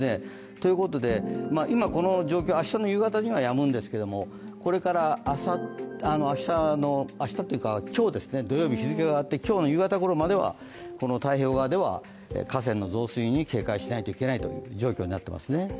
ということで、今この状況、明日の夕方にはやむんですけども、これから明日というか日付が変わって今日土曜日の夕方ごろまではこの太平洋側では河川の増水に警戒しないといけない状況です。